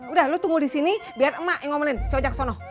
udah lu tunggu di sini biar emak yang ngomelin si hojak ke sana